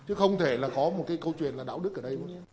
chứ không thể là có một cái câu chuyện là đạo đức ở đây